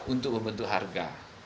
untuk membentuk harga